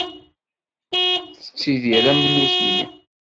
Tettidir am nutni.